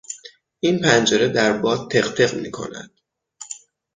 این پنجره در باد تق تق میکند.